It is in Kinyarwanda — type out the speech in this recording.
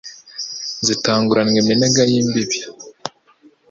Zitanguranwa iminega y' imbibi